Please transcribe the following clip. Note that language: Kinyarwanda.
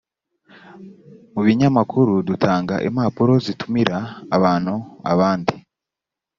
mu binyamakuru dutanga impapuro zitumira abantu abandi